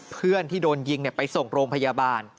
เพื่อนที่โดนยิงไปส่งโรงพยาบาล